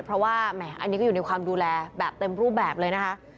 เพราะว่าแหมอันนี้ก็อยู่ในความดูแลแบบเต็มรูปแบบเลยนะคะ